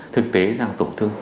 thực tế là tổn thương